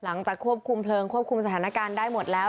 หลังจากควบคุมเพลิงควบคุมสถานการณ์ได้หมดแล้ว